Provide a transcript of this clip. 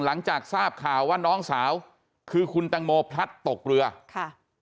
หลังจากทราบข่าวว่าน้องสาวคือคุณแตงโมพลัดตกเรือค่ะ